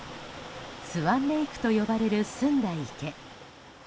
スワンレイクと呼ばれる澄んだ池。